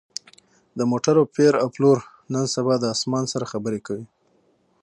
د موټرو پېر او پلور نن سبا د اسمان سره خبرې کوي